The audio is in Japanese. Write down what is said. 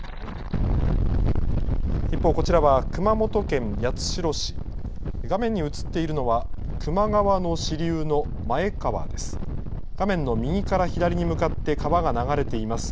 一方こちらは、熊本県八代市、画面に映っているのは球磨川の支流の前川です。